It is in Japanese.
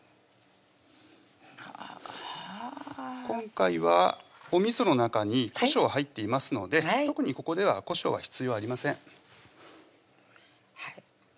今回はおみその中にこしょう入っていますので特にここではこしょうは必要ありません